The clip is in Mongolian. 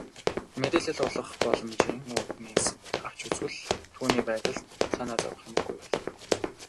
Мэдээлэл олох боломжийн үүднээс авч үзвэл түүний байдалд санаа зовох юмгүй байлаа.